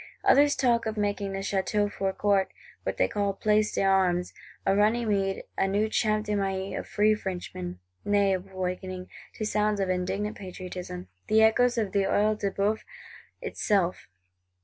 Others talk of making the Château Forecourt, what they call Place d'Armes, a Runnymede and new Champ de Mai of free Frenchmen: nay of awakening, to sounds of indignant Patriotism, the echoes of the Œil de boeuf itself.